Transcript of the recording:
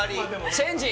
チェンジ？